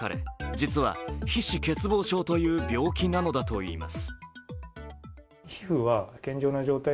実は皮脂欠乏症という病気なのだといいます。